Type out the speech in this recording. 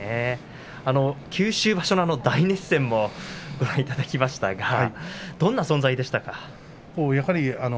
九州場所の大熱戦もご覧いただきましたがどんな存在でしたか？